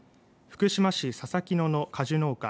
徳島市笹木野の果樹農家